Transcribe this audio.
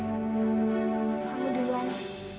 agak m ambulance